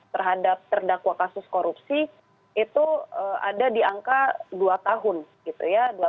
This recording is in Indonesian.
terhadap terdakwa kasus korupsi itu ada di angka dua tahun gitu ya